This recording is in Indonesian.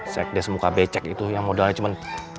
sekdes muka becek itu yang modalnya cuma